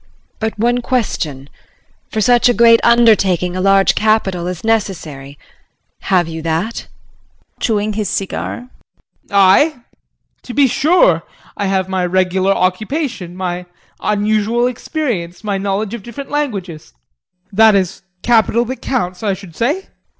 But one question. For such a great undertaking a large capital is necessary, have you that? JEAN [Chewing his cigar]. I? To be sure. I have my regular occupation, my unusual experience, my knowledge of different languages that is capital that counts, I should say.